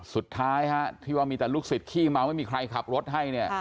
สุดท้ายที่ว่ามีแต่ลูกศิษย์ขี้เมาไม่มีใครขับรถให้เนี่ย